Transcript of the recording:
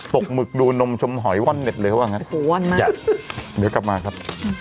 หมึกดูนมชมหอยว่อนเน็ตเลยเขาว่างั้นโอ้โหว่อนมากจ้ะเดี๋ยวกลับมาครับ